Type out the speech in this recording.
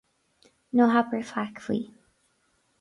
Ná habair faic faoi.